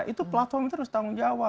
itu platform terus tanggung jawab